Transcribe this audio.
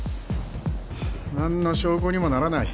ハァ何の証拠にもならない。